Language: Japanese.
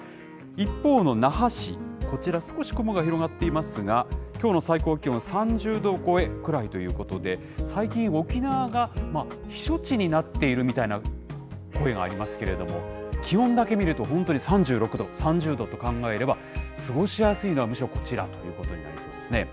一方の那覇市、こちら、少し雲が広がっていますが、きょうの最高気温３０度超えくらいということで、最近、沖縄が避暑地になっているみたいな声がありますけれども、気温だけ見ると、本当に３６度、３０度と考えれば、過ごしやすいのは、むしろこちらということになりそうですね。